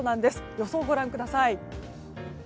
予想をご覧ください。